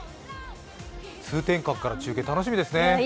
通天閣からの中継、楽しみですね。